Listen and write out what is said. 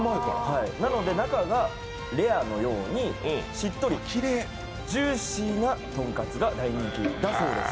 なので中がレアのようにしっとり、ジューシーなとんかつが大人気だそうです。